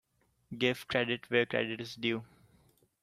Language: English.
Give credit where credit is due.